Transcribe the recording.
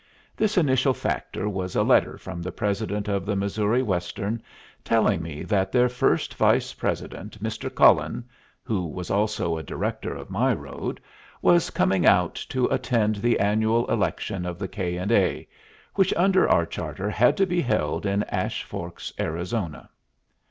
This initial factor was a letter from the president of the Missouri Western, telling me that their first vice president, Mr. Cullen (who was also a director of my road), was coming out to attend the annual election of the K. & A., which under our charter had to be held in Ash Forks, Arizona.